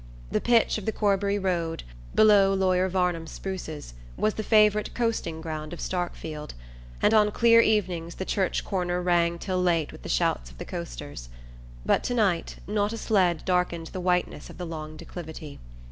The pitch of the Corbury road, below lawyer Varnum's spruces, was the favourite coasting ground of Starkfield, and on clear evenings the church corner rang till late with the shouts of the coasters; but to night not a sled darkened the whiteness of the long declivity.